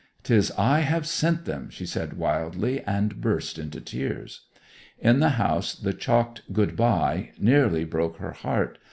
''Tis I have sent them!' she said wildly, and burst into tears. In the house the chalked 'Good bye' nearly broke her heart.